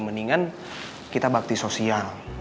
mendingan kita bakti sosial